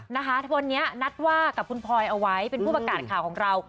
นะคะวันนี้นัดว่ากับคุณพลอยเอาไว้เป็นผู้ประกาศข่าวของเรา